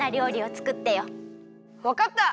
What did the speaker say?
わかった！